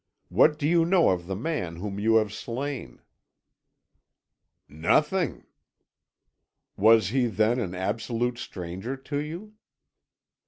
What do you know of the man whom you have slain?" "Nothing." "Was he, then, an absolute stranger to you?"